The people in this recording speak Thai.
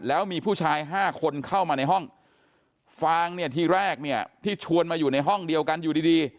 แล้วมีผู้ชายห้าคนเข้ามาในห้องฟางเนี่ยทีแรกเนี่ยที่ชวนมาอยู่ในห้องเดียวกันอยู่ดีดี